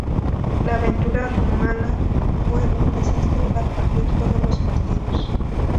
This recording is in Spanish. La aventura rumana fue un desastre al perder todos los partidos.